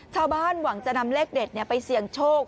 หวังจะนำเลขเด็ดไปเสี่ยงโชค